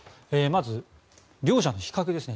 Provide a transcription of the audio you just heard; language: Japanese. まず両者の比較です。